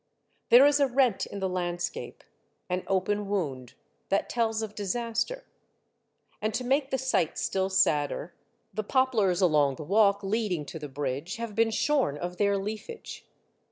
There is a rent in the landscape, an open wound that tells of dis aster. And to make the sight still sadder, the poplars along the walk leading to the bridge have been shorn of their leafage.